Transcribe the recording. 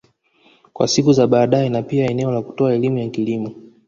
Kwa siku za badae na pia eneo la kutoa elimu ya kilimo